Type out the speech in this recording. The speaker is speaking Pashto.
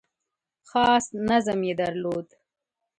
خاص نظم یې درلود .